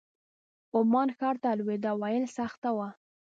عمان ښار ته الوداع ویل سخته وه.